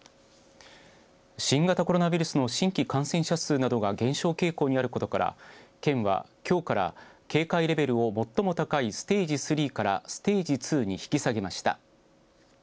新型コロナウイルスの新規感染者数などが減少傾向にあることから、県はきょうから警戒レベルを最も高いステージ３からステージ２に引き下げました。